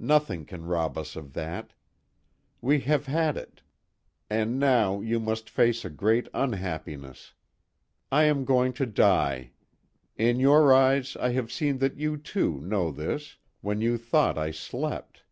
Nothing can rob us of that. We have had it. And now you must face a great unhappiness. I am going to die. In your eyes I have seen that you, too, know this when you thought I slept.